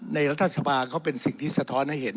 รัฐสภาก็เป็นสิ่งที่สะท้อนให้เห็น